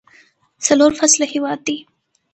څلور فصله هیواد دی.